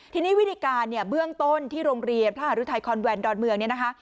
ทีนี้วิธีการเนี่ยเบื้องต้นที่โรงเรียนพระหารุทัยคอนแวนดอนเมืองเนี่ยนะคะ